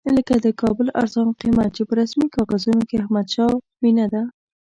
لکه د کابل ارزان قیمت چې په رسمي کاغذونو کې احمدشاه مېنه ده.